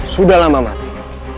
sudah lama mati